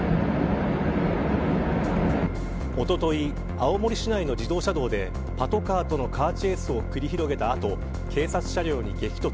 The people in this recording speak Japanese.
青森市内の自動車道でパトカーとのカーチェイスを繰り広げた後警察車両に激突。